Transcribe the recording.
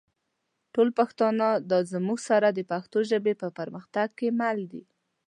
ټول پښتانه دا مونږ سره د پښتو ژبې په پرمختګ کې مل دي